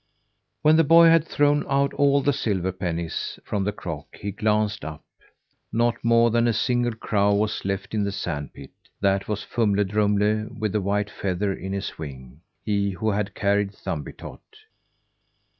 When the boy had thrown out all the silver pennies from the crock he glanced up. Not more than a single crow was left in the sandpit. That was Fumle Drumle, with the white feather in his wing; he who had carried Thumbietot.